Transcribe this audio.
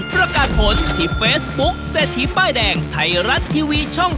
ประกาศผลที่เฟซบุ๊คเศรษฐีป้ายแดงไทยรัฐทีวีช่อง๓